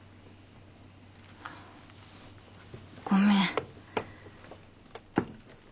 ごめん。